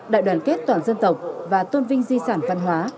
đại đoàn kết toàn dân tộc và tôn vinh di sản văn hóa